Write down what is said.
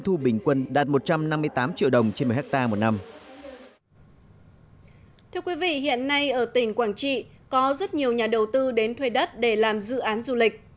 thưa quý vị hiện nay ở tỉnh quảng trị có rất nhiều nhà đầu tư đến thuê đất để làm dự án du lịch